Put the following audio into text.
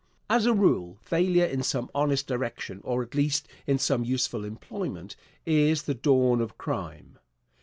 As a rule, failure in some honest direction, or at least in some useful employment, is the dawn of crime.